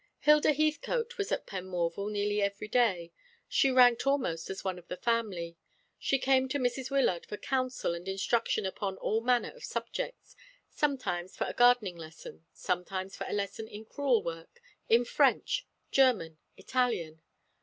Hilda Heathcote was at Penmorval nearly every day. She ranked almost as one of the family. She came to Mrs. Wyllard for counsel and instruction upon all manner of subjects sometimes for a gardening lesson, sometimes for a lesson in crewel work, in French, German, Italian.